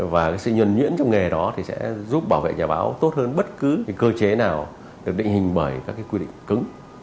và sự nhuận nhuyễn trong nghề đó sẽ giúp bảo vệ nhà báo tốt hơn bất cứ cơ chế nào được định hình bởi các quy định cứng